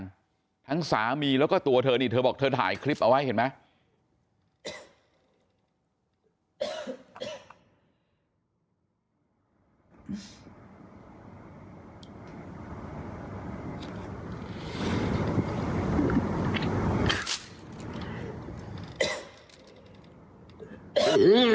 ทั้งสามีแล้วก็ตัวเธอนี่เธอบอกเธอถ่ายคลิปเอาไว้เห็นไหม